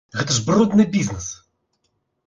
Гэта ж брудны бізнэс!